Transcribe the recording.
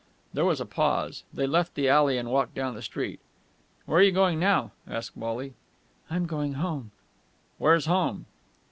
There was a pause. They left the alley and walked down the street. "Where are you going now?" asked Wally. "I'm going home." "Where's home?"